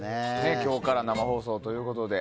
今日から生放送ということで。